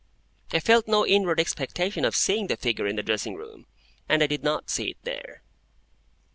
I felt no inward expectation of seeing the figure in the dressing room, and I did not see it there.